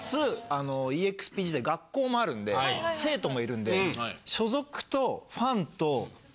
あのＥＸＰＧって学校もあるんで生徒もいるんで。